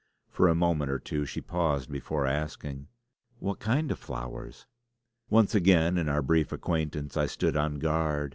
For a moment or two she paused before asking: "What kind of flowers?" Once again in our brief acquaintance I stood on guard.